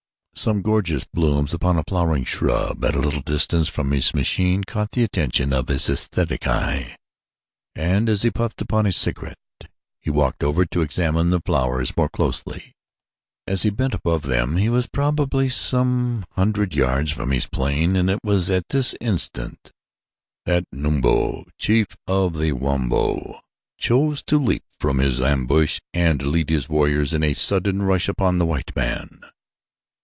Some gorgeous blooms upon a flowering shrub at a little distance from his machine caught the attention of his aesthetic eye, and as he puffed upon his cigarette, he walked over to examine the flowers more closely. As he bent above them he was probably some hundred yards from his plane and it was at this instant that Numabo, chief of the Wamabo, chose to leap from his ambush and lead his warriors in a sudden rush upon the white man.